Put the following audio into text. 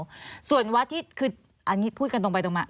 ส่วนวัดที่คืออันนี้พูดกันตรงไปตรงมา